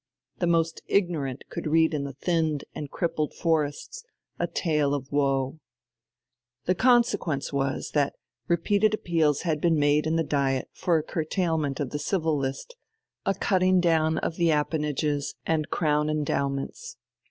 The most ignorant could read in the thinned and crippled forests a tale of woe. The consequence was that repeated appeals had been made in the Diet for a curtailment of the Civil List, a cutting down of the appanages and Crown endowments.